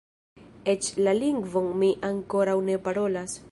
Eĉ la lingvon mi ankoraŭ ne parolas.